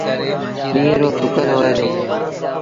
ڏيٚݩهݩ رو سُتل هوئي دو۔